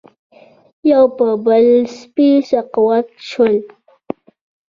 یو په بل پسې سقوط شول